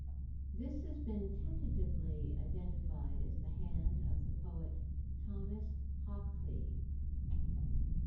This has been tentatively identified as the hand of the poet Thomas Hoccleve.